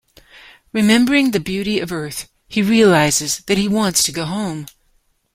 Remembering the beauty of Earth, he realizes that he wants to go home.